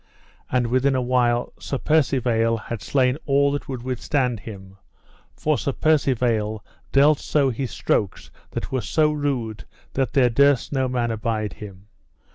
And within a while Sir Percivale had slain all that would withstand him; for Sir Percivale dealt so his strokes that were so rude that there durst no man abide him.